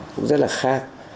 cũng rất là khác